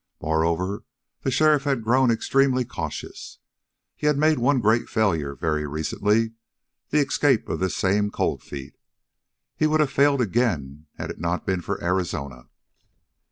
Moreover the sheriff had grown extremely cautious. He had made one great failure very recently the escape of this same Cold Feet. He would have failed again had it not been for Arizona.